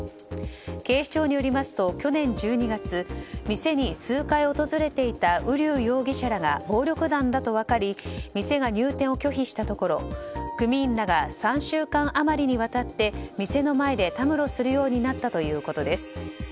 警視庁によりますと去年１２月店に数回訪れていた瓜生容疑者らが暴力団だと分かり店が入店を拒否したところ組員らが３週間余りにわたって店の前でたむろするようになったということです。